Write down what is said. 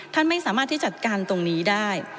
ท่านไม่สามารถที่จัดการตรงนี้ได้